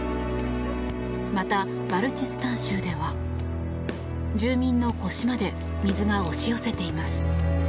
また、バルチスタン州では住民の腰まで水が押し寄せています。